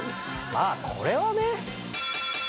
まあこれはね。